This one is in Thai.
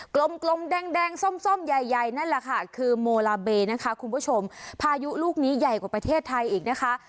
กลมกลมแดงแดงส้มส้มใหญ่ใหญ่นั่นแหละค่ะคือโมลาเบนะคะคุณผู้ชมพายุลูกนี้ใหญ่กว่าประเทศไทยอีกนะคะ